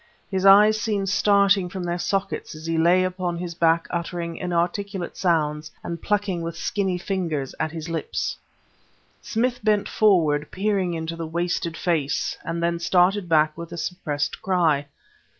His eyes seemed starting from their sockets as he lay upon his back uttering inarticulate sounds and plucking with skinny fingers at his lips. Smith bent forward peering into the wasted face; and then started back with a suppressed cry.